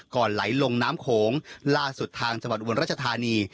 ไหลลงน้ำโขงล่าสุดทางจังหวัดอุบลรัชธานี